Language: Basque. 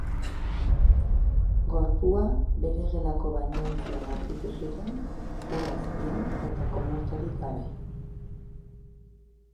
Gorpua bere gelako bainuontzian aurkitu zuten, ur azpian eta konorterik gabe.